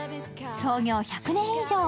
創業１００年以上。